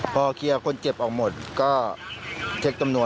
พอเคลียร์คนเจ็บออกหมดก็เช็คตำรวจ